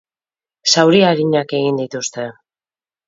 Zauri arinak egin dituzte.